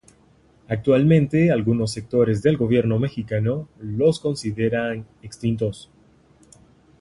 Actualmente, algunos sectores del gobierno mexicano los consideran extintos.